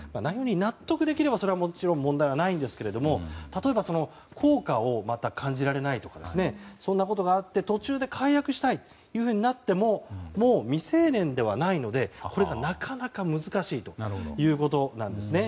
納得できればもちろん問題はないんですが例えば、効果を感じられないとかそんなことがあって途中で解約したいとなっても未成年ではないのでなかなか難しいということです。